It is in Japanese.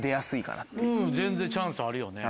全然チャンスあるよね。